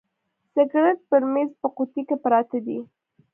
سګرېټ پر میز په قوطۍ کي پراته دي.